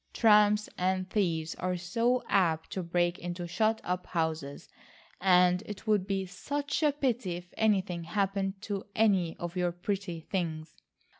Tramps and thieves are so apt to break into shut up houses, and it would be such a pity if anything happened to any of your pretty things.